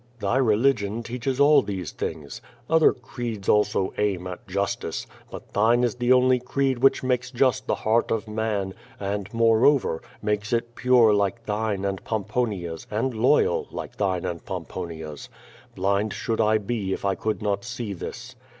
Thy religion teaches all these things. Other creeds also aim at justice, but thine is the only creed which makes just the heart of man, and, moreover, makes it pure like thine and Pompouia's and loyal, like thine and Pomponia's. Blind should I be if I could not see this.